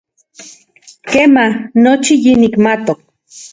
Kema, nochi yinikmatok.